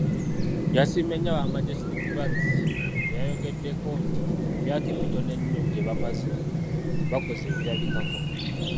Yasiimye nnyo aba Majestic Brands beyayogeddeko nti mu myaka emitono ennyo gye bamaze, bakoze ebirabikako.